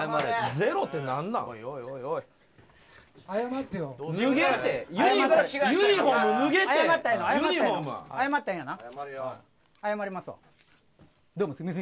ゼロってなんなん。